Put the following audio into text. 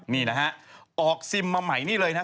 นี่นะฮะออกซิมมาใหม่นี่เลยนะฮะ